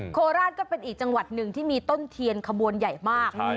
โคราชก็เป็นอีกจังหวัดหนึ่งที่มีต้นเทียนขบวนใหญ่มาก